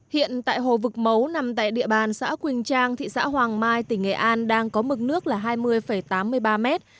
hiện tại hồ vực mấu nằm tại địa bàn xã quỳnh trang thị xã hoàng mai tỉnh nghệ an đang có mực nước là hai mươi tám mươi ba mét